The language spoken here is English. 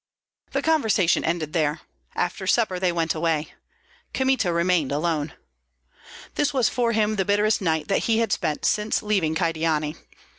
The conversation ended there. After supper they went away. Kmita remained alone. This was for him the bitterest night that he had spent since leaving Kyedani.